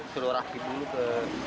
suruh rafi dulu ke sini biar mencegah itu